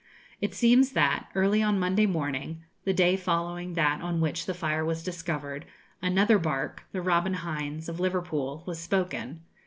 It seems that, early on Monday morning, the day following that on which the fire was discovered, another barque, the 'Robert Hinds,' of Liverpool, was spoken.